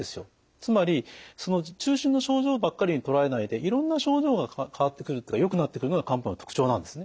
つまりその中心の症状ばっかりにとらわれないでいろんな症状が変わってくるよくなってくるのが漢方の特徴なんですね。